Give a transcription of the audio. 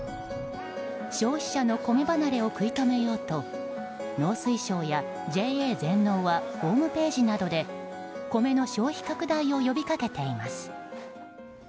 消費者の米離れを食い止めようと農水省やＪＡ全農はホームページなどで米の消費拡大を呼びかけています。